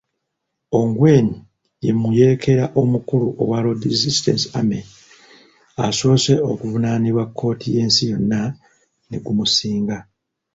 Ongwen ye muyeekera omukulu owa Lord's Resistance Army asoose okuvunaanibwa kkooti y'ensi yonna ne gumusinga.